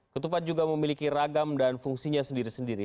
ketupat juga memiliki ragam dan fungsinya sendiri sendiri